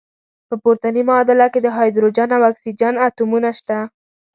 په پورتني معادله کې د هایدروجن او اکسیجن اتومونه شته.